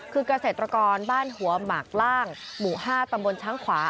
คือเกษตรกรบ้านหัวหมากล่างหมู่๕ตำบลช้างขวา